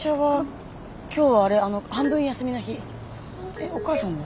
えっお母さんは？